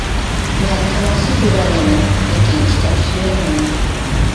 مەن تاماقسىز يۈرەلەيمەن، لېكىن كىتابسىز يۈرەلمەيمەن.